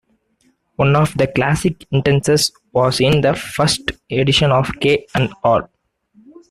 One of the classic instances was in the First Edition of K and R.